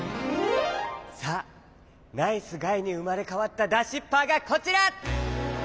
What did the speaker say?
さあナイスガイにうまれかわったダシッパーがこちら！